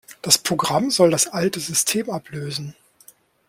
Das Programm soll das alte System ablösen.